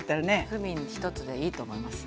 クミン一つでいいと思います。